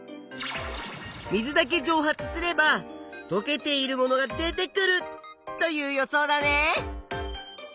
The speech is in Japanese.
水だけじょう発すればとけているものが出てくるという予想だね。